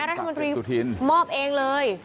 รัฐงนตรีมอบเองเลย